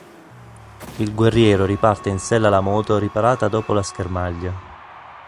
Il Guerriero riparte in sella alla moto riparata dopo la schermaglia.